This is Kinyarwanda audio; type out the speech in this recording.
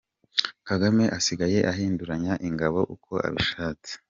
Kagame asigaye ahinduranya ingabo uko abishatse.